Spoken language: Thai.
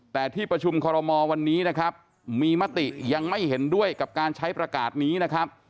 แต่ที่ประชุมคอรมอลวันนี้นะครับมีมติยังไม่เห็นด้วยกับการใช้ประกาศนี้นะครับ